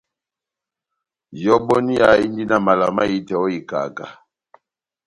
Ihɔbɔniya indi na mala mahitɛ ó ikaká.